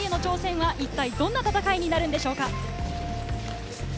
日本代表の世界への挑戦は一体、どんな戦いになるんでしょうか。